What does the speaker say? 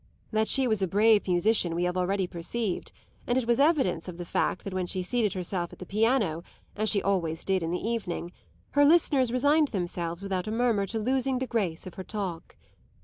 That she was a brave musician we have already perceived, and it was evidence of the fact that when she seated herself at the piano, as she always did in the evening, her listeners resigned themselves without a murmur to losing the grace of her talk.